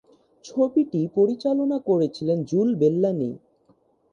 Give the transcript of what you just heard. ছবিটি পরিচালনা করেছিলেন জুল বেল্লানি।